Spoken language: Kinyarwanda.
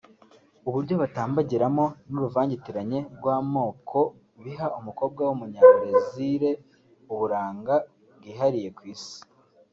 uburyo batambagiramo n’uruvangitiranye rw’amoko biha umukobwa w’Umunyabrezil uburanga bwihariye ku Isi